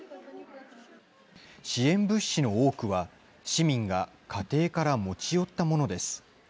支援物資の多くは、市民が家庭から持ち寄ったものです。